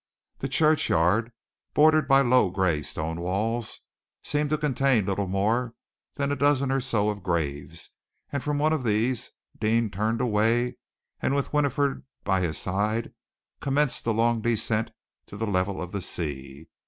The churchyard, bordered by low gray stone walls, seemed to contain little more than a dozen or so of graves, and from one of these Deane turned away, and with Winifred by his side commenced the long descent to the level of the sea.